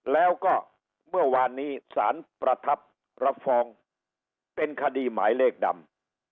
แล้วก็เมื่อวานนี้สารประทับรับฟ้องเป็นคดีหมายเลขดำ